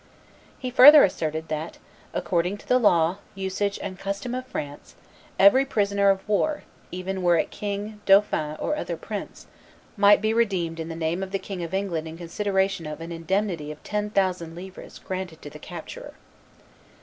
He further asserted that "according to the law, usage, and custom of France, every prisoner of war, even were it king, dauphin, or other prince, might be redeemed in the name of the King of England in consideration of an indemnity of ten thousand livres granted to the capturer."